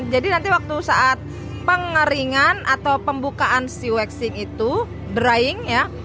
jadi nanti waktu saat pengeringan atau pembukaan si waxing itu drying ya